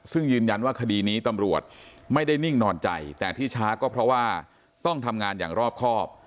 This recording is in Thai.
ซึ่งยืนยันว่าคดีนี้ตำรวจไม่ได้นิ่งนอนใจแต่ที่ช้าก็เพราะว่าต้องทำงานอย่างรอบครอบ